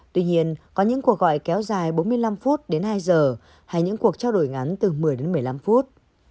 tuy nhiên có những cuộc gọi kéo dài bốn mươi năm phút đến hai giờ hay những cuộc trao đổi ngắn từ một mươi đến một mươi năm phút